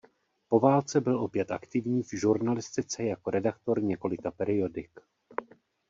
Po válce byl opět aktivní v žurnalistice jako redaktor několika periodik.